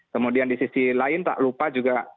kemudian di sisi lain tak lupa juga